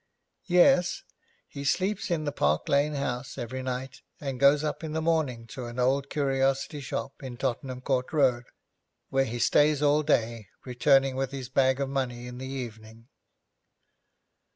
'Yes. He sleeps in the Park Lane house every night, and goes up in the morning to an old curiosity shop in Tottenham Court Road, where he stays all day, returning with his bag of money in the evening.'